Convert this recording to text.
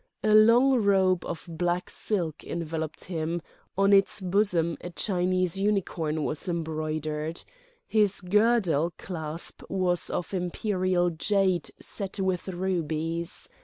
A long robe of black silk enveloped him; on its bosom a Chinese unicorn was embroidered. His girdle clasp was of Imperial jade set with rubies.